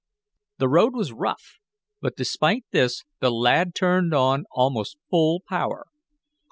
The road was rough, but despite this the lad turned on almost full power.